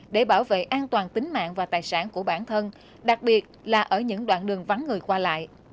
để bảo vệ an toàn tính mạng và tài sản của bản thân đặc biệt là ở những đoạn đường vắng người qua lại